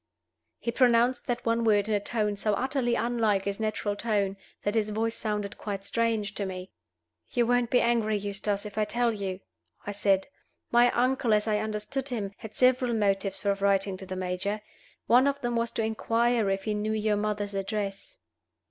He pronounced that one word in a tone so utterly unlike his natural tone that his voice sounded quite strange to me. "You won't be angry, Eustace, if I tell you?" I said. "My uncle, as I understood him, had several motives for writing to the major. One of them was to inquire if he knew your mother's address."